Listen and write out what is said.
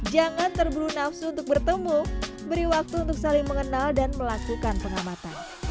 jangan terburu nafsu untuk bertemu beri waktu untuk saling mengenal dan melakukan pengamatan